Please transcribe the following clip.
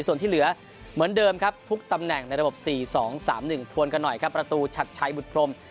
ส่วนที่เหลือเหมือนเดิมครับทุกตำแหน่งในระบบ๔๒๓๑ทวนกันหน่อยครับประตูชัดชัยบุตพรม